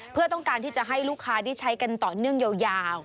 เพื่อต้องการที่จะให้ลูกค้าได้ใช้กันต่อเนื่องยาว